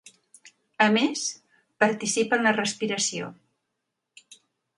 A més, participa en la respiració.